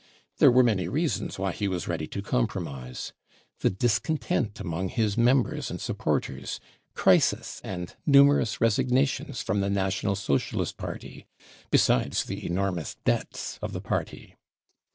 There were many reasons why he I was ready to compromise : the discontent among his members and supporters, crisis and numerous resignations from the National Socialist Party, besides the enormous ;■ debts of the Party.